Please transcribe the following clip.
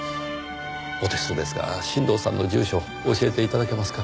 お手数ですが新堂さんの住所教えて頂けますか？